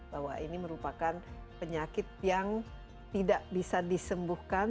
bahwa ini merupakan penyakit yang tidak bisa disembuhkan